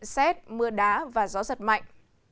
xét mưa đá và gió giật mạnh